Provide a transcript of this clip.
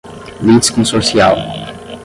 litisconsorcial